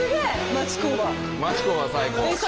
町工場最高！